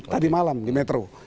tadi malam di metro